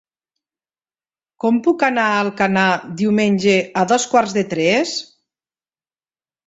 Com puc anar a Alcanar diumenge a dos quarts de tres?